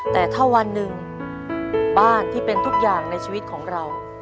แต่ถ้าวันหนึ่งบ้านที่เป็นทุกอย่างในชีวิตของเรา